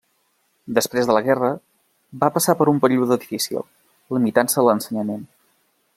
Després de la guerra, va passar per un període difícil, limitant-se a l'ensenyament.